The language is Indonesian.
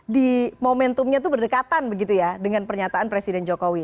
di momentumnya itu berdekatan begitu ya dengan pernyataan presiden jokowi